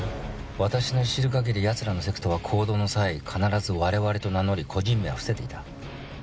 私の知る限り奴らのセクトは行動の際必ず「我々」と名乗り個人名は伏せていた。